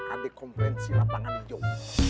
ambil kompensi lapangan ini jom